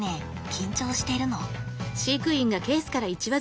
緊張しているの？